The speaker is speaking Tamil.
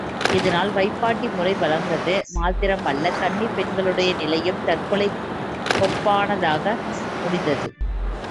இதனால் வைப்பாட்டி முறை வளர்ந்தது மாத்திரமல்ல, கன்னிப் பெண்களுடைய நிலையும் தற்கொலைக் கொப்பானதாக முடிந்தது.